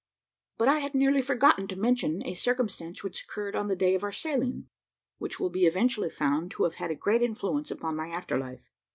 But I had nearly forgotten to mention a circumstance which occurred on the day of our sailing, which will be eventually found to have had a great influence upon my after life.